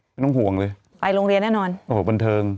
ไม่ต้องห่วงเลยไปโรงเรียนแน่นอนโอ้โหบันเทิง